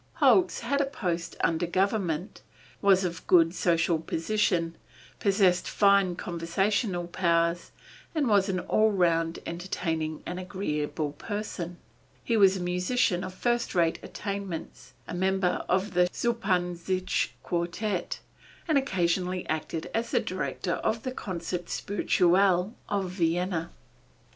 Holz had a post under government, was of good social position, possessed fine conversational powers, and was an all round entertaining and agreeable person. He was a musician of first rate attainments, a member of the Schuppanzich Quartet, and occasionally acted as director of the Concert Spirituel of Vienna.